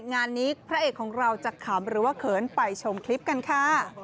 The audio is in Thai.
งานนี้พระเอกของเราจะขำหรือว่าเขินไปชมคลิปกันค่ะ